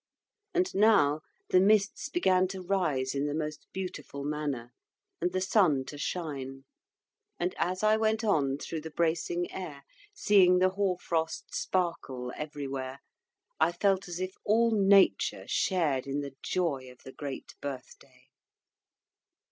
And now the mists began to rise in the most beautiful manner, and the sun to shine; and as I went on through the bracing air, seeing the hoarfrost sparkle everywhere, I felt as if all Nature shared in the joy of the great Birthday.